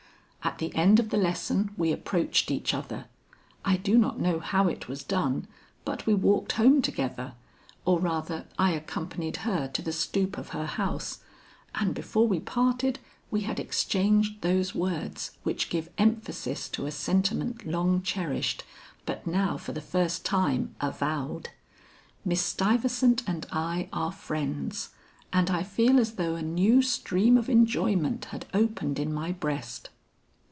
At the end of the lesson we approached each other. I do not know how it was done, but we walked home together, or rather I accompanied her to the stoop of her house, and before we parted we had exchanged those words which give emphasis to a sentiment long cherished but now for the first time avowed. Miss Stuyvesant and I are friends, and I feel as though a new stream of enjoyment had opened in my breast.